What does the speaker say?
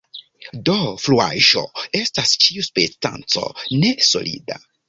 Do fluaĵo estas ĉiu substanco ne-solida.